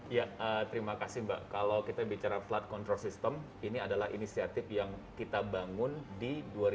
ya terima kasih mbak kalau kita bicara flood control system ini adalah inisiatif yang kita bangun di dua ribu dua puluh